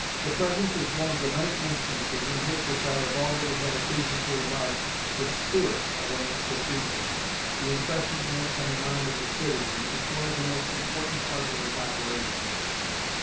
The present is one of the many instances in which, as I have already had occasion to remark, the spirit of an institution, the impression it makes on the mind of the citizen, is one of the most important parts of its operation.